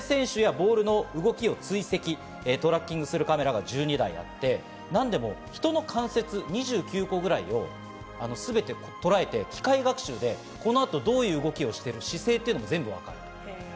これで選手やボールの動きを追跡、トラッキングするカメラが１２台あって、人の関節２９個くらいを全てとらえて機械学習でこの後どういう動きをしている姿勢も全部わかると。